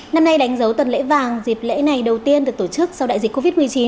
năm nay đánh dấu tuần lễ vàng dịp lễ này đầu tiên được tổ chức sau đại dịch covid một mươi chín